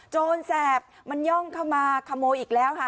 โจรแสบมันย่องเข้ามาขโมยอีกแล้วค่ะ